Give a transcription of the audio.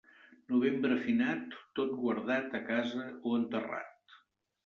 Novembre finat, tot guardat a casa o enterrat.